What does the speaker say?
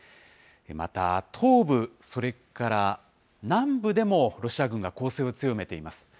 また東部、それから南部でもロシア軍が攻勢を強めています。